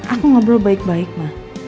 aku ngobrol baik baik ma